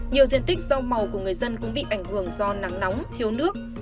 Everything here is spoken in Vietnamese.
nhiều diện tích rau màu của người dân cũng bị ảnh hưởng do nắng nóng thiếu nước